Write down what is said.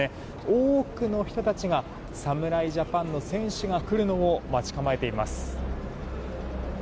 多くの人たちが侍ジャパンの選手が来るのを待ち構えています。